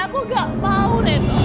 aku gak mau reno